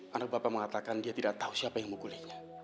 anak bapak mengatakan dia tidak tahu siapa yang menggulingnya